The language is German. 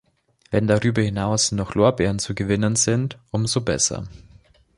Wenn darüber hinaus noch Lorbeeren zu gewinnen sind, um so besser!